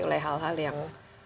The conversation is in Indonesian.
oleh hal hal yang